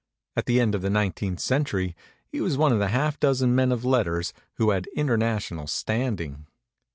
At the end of the nineteenth century he was one of the half dozen men of letters who had international standing.